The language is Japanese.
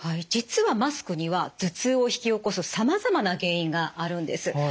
実はマスクには頭痛を引き起こすさまざまな原因があるんです。